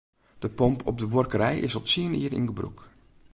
De pomp op de buorkerij is al tsien jier yn gebrûk.